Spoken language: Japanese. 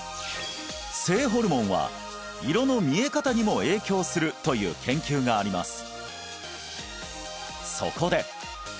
性ホルモンは色の見え方にも影響するという研究があります